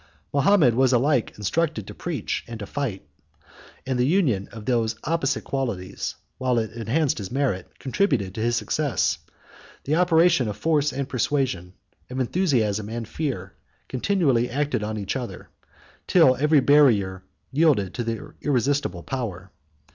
Mahomet was alike instructed to preach and to fight; and the union of these opposite qualities, while it enhanced his merit, contributed to his success: the operation of force and persuasion, of enthusiasm and fear, continually acted on each other, till every barrier yielded to their irresistible power.